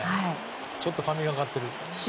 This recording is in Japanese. ちょっと神がかってる。